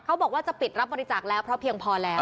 เขาบอกว่าจะปิดรับบริจาคแล้วเพราะเพียงพอแล้ว